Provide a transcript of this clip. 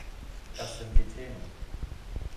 Das sind die Themen.